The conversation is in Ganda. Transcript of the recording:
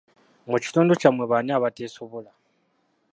Mu kitundu kyammwe baani abateesobola?